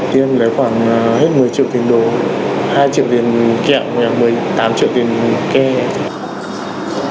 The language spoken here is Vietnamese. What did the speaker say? tiếp em lấy khoảng hết một mươi triệu tiền đồ hai triệu tiền kẹo một mươi tám triệu tiền kẹo